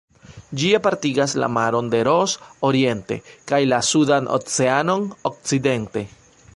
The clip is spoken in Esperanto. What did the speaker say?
Ĝi apartigas la maron de Ross oriente kaj la Sudan Oceanon okcidente.